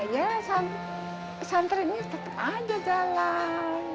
ya santrinya tetep aja jalan